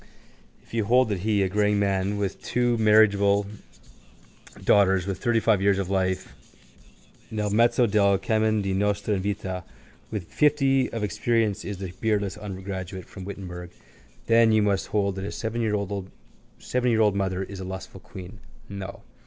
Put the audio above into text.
If you hold that he, a greying man with two marriageable daughters, with thirtyfive years of life, nel mezzo del cammin di nostra vita, with fifty of experience, is the beardless undergraduate from Wittenberg then you must hold that his seventyyear old mother is the lustful queen. No.